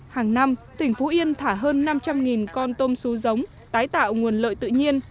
hàng năm tỉnh phú yên thả hơn năm trăm linh con tôm sú giống tái tạo nguồn lợi tự nhiên